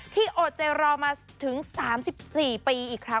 โอเจรอมาถึง๓๔ปีอีกครั้ง